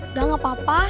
udah gak apa apa